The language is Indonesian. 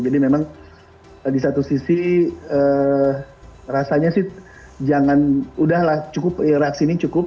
jadi memang di satu sisi rasanya sih jangan udahlah cukup reaksi ini cukup